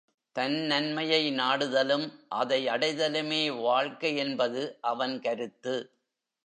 தன் நன்மையை நாடுதலும், அதை அடைதலுமே வாழ்க்கை என்பது அவன் கருத்து.